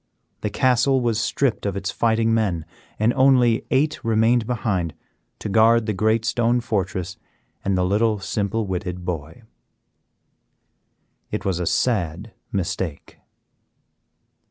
The castle was stripped of its fighting men, and only eight remained behind to guard the great stone fortress and the little simple witted boy. It was a sad mistake.